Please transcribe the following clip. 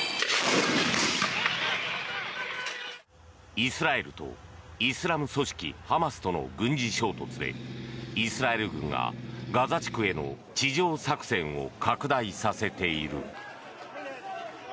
イスラエルとイスラム組織ハマスとの軍事衝突でイスラエル軍がガザ地区への地上作戦を水泳